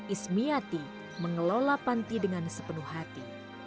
ismiati mengelola panti dengan sepenuh hati